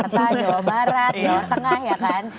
ya gitu ya di jakarta jawa barat jawa tengah ya kan